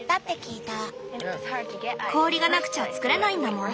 氷がなくちゃ作れないんだもん。